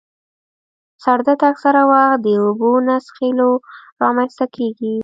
سر درد اکثره وخت د اوبو نه څیښلو رامنځته کېږي.